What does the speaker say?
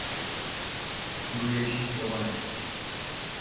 Budu je číst pomaleji.